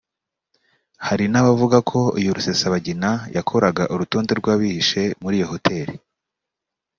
Hari n’abavuga ko uyu Rusesabagina yakoraga urutonde rw’abihishe muri iyo hoteli